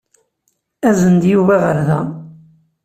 Azen-d Yuba ɣer da.